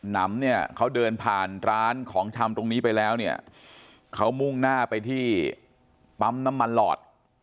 นำเนี่ยเขาเดินผ่านร้านของชำตรงนี้ไปแล้วเนี่ยเขามุ่งหน้าไปที่ปั๊มน้ำมันหลอด